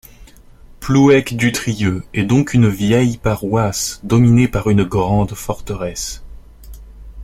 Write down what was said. Plouec-du-Trieux est donc une vieille paroisse dominée par une grande forteresse.